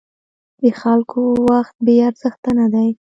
د خلکو وخت بې ارزښته نه دی.